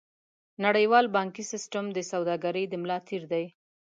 نړیوال بانکي سیستم د سوداګرۍ د ملا تیر دی.